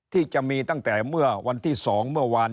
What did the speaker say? ที่จะมีตั้งแต่เมื่อวันที่๒เมื่อวาน